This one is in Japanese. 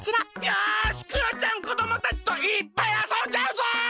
よしクヨちゃんこどもたちといっぱいあそんじゃうぞ！